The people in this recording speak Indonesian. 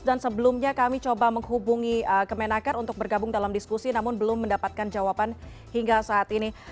dan sebelumnya kami coba menghubungi kemenaker untuk bergabung dalam diskusi namun belum mendapatkan jawaban hingga saat ini